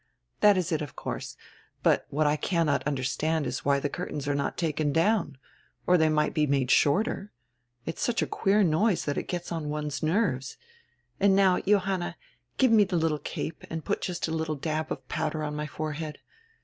"That is it, of course. But what I cannot understand is why die curtains are not taken down. Or diey might be made shorter. It is such a queer noise diat it gets on one's nerves. And now, Johanna, give me die little cape and put just a little dab of powder on my forehead.